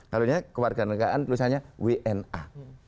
kalau kewarganegaraan tulisannya wna